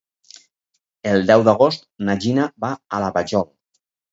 El deu d'agost na Gina va a la Vajol.